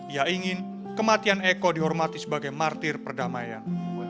ia ingin kematian eko dihormati sebagai martir perdamaian